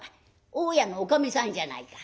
大家のおかみさんじゃないか。